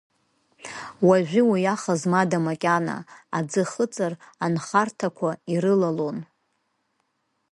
Уажәы уи аха змадаз макьана, аӡы хыҵыр анхарҭақәа ирылалон.